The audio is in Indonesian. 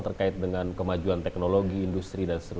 terkait dengan kemajuan teknologi industri dan sebagainya